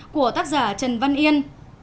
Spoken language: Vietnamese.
của tác giả trần văn yên